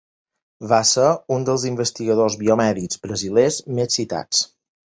Va ser un dels investigadors biomèdics brasilers més citats.